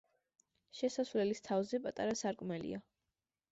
შესასვლელის თავზე პატარა სარკმელია.